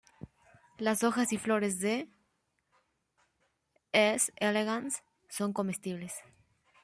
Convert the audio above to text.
Las hojas y flores de "S. elegans" son comestibles.